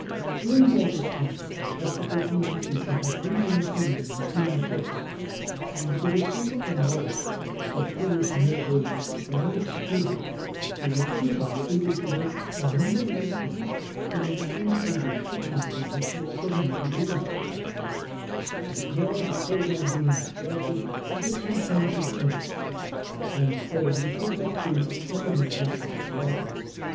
During all this time electrical communication had been maintained between the ships; and it is somewhat remarkable that, through this more or less damaged cable, the electricians were able to work a needle instrument and obtain a deflection on it of 70 degrees. [Illustration: FIG. 25. Experimental Maneuvers in the Bay of Biscay.] And now, the program being exhausted, the ships returned to Plymouth. On the whole, the trip had proved eminently satisfactory.